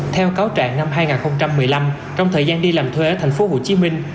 theo cáo trạng năm hai nghìn một mươi năm trong thời gian đi làm thuê ở thành phố hồ chí minh